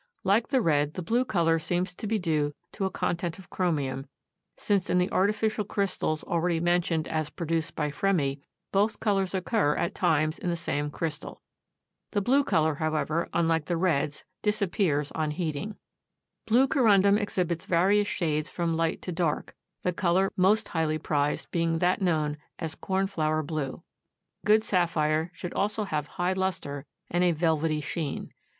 Like the red the blue color seems to be due to a content of chromium, since in the artificial crystals already mentioned as produced by Fremy, both colors occur at times in the same crystal. The blue color, however, unlike the reds, disappears on heating. Blue Corundum exhibits various shades from light to dark, the color most highly prized being that known as cornflower blue. A good sapphire should also have high luster and a velvety sheen.